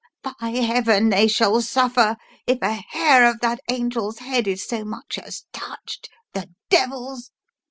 By Heaven they shall suffer if a hair of that angel's head is so much as touched — the devils.